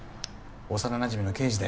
幼なじみの刑事だよ。